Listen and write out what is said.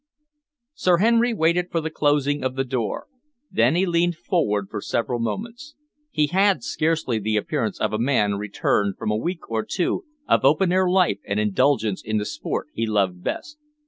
Sir Henry waited for the closing of the door. Then he leaned forward for several moments. He had scarcely the appearance of a man returned from a week or two of open air life and indulgence in the sport he loved best.